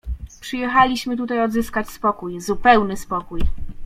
"Przyjechaliśmy tutaj odzyskać spokój, zupełny spokój."